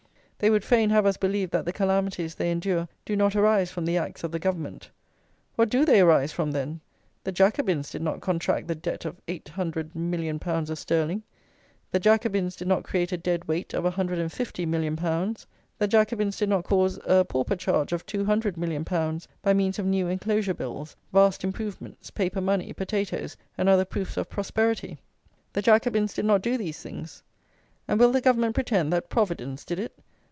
They would fain have us believe that the calamities they endure do not arise from the acts of the Government. What do they arise from, then? The Jacobins did not contract the Debt of 800,000,000_l._ sterling. The Jacobins did not create a Dead Weight of 150,000,000_l._ The Jacobins did not cause a pauper charge of 200,000,000_l._ by means of "new enclosure bills," "vast improvements," paper money, potatoes, and other "proofs of prosperity." The Jacobins did not do these things. And will the Government pretend that "Providence" did it?